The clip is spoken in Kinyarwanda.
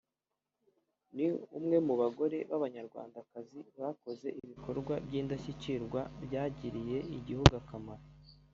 ni umwe mu bagore b’abanyarwandakazi bakoze ibikorwa by’indashyikirwa byagiriye igihugu akamaro